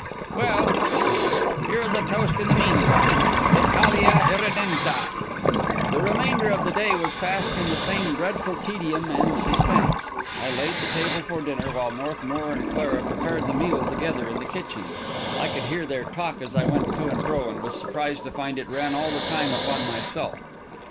"Well," said he, "here is a toast in the meantime: 'Italia irredenta!'" The remainder of the day was passed in the same dreadful tedium and suspense. I laid the table for dinner, while Northmour and Clara prepared the meal together in the kitchen. I could hear their talk as I went to and fro, and was surprised to find it ran all the time upon myself.